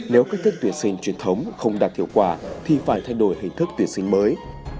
nếu cách thức tuyển sinh truyền thống không đạt hiệu quả thì phải thay đổi hình thức tuyển sinh mới